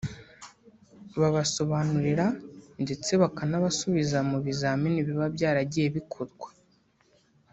babasobanurira ndetse bakanabasubiza mu bizamini biba byaragiye bikorwa